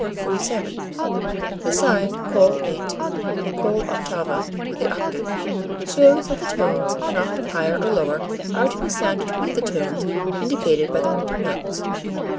47. The sign Col 8 (coll'ottava with the octave) shows that the tones an octave higher or lower are to be sounded with the tones indicated by the printed notes.